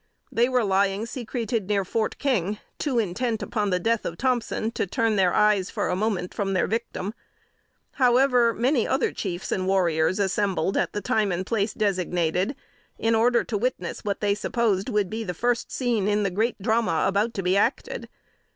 They were lying secreted near Fort King, too intent upon the death of Thompson to turn their eyes for a moment from their victim. However, many other chiefs and warriors assembled at the time and place designated, in order to witness what they supposed would be the first scene in the great drama about to be acted.